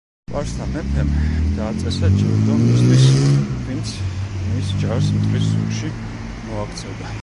სპარსთა მეფემ დააწესა ჯილდო მისთვის ვინც მის ჯარს მტრის ზურგში მოაქცევდა.